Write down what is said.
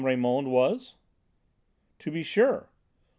Raymond was?" "To be sure."